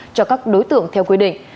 cho các đối tượng theo quy định